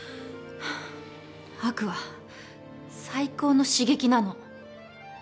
悪は最高の刺激なの。